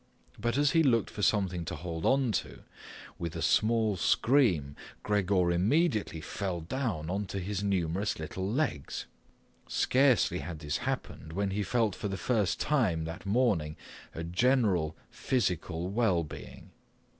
But as he looked for something to hold onto, with a small scream Gregor immediately fell down onto his numerous little legs. Scarcely had this happened, when he felt for the first time that morning a general physical well being.